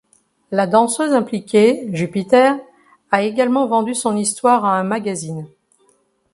La danseuse impliquée, Jupiter, a également vendu son histoire à un magazine.